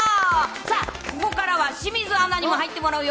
さあ、ここからは清水アナにも入ってもらうよ。